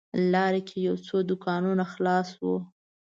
لاره کې یو څو دوکانونه خلاص و.